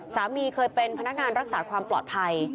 สามีเคยเป็นพนักงานรักษาความปลอดภัย